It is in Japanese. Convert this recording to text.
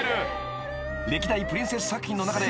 ［歴代プリンセス作品の中で］